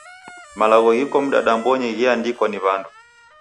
Malagho ghiko mdadambonyi gheandikwa ni w'andu.